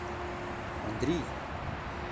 Андрий!